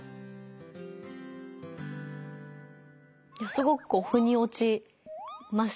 すごくふにおちましたね。